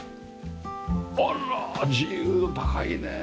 あら自由度高いね。